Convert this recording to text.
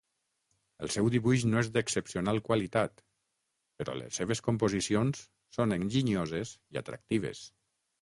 El seu dibuix no és d'excepcional qualitat, però les seves composicions són enginyoses i atractives.